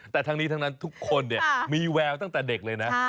แต่ทั้งนี้ทั้งนั้นทุกคนมีแววตั้งแต่เด็กเลยนะ